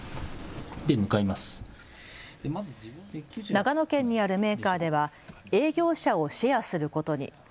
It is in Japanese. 長野県にあるメーカーでは営業車をシェアすることに。